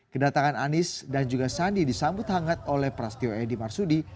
kedatangan anies dan juga sandi disambut hangat oleh prasetyo edy marsudi